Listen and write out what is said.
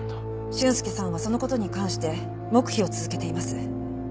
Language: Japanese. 俊介さんはその事に関して黙秘を続けています。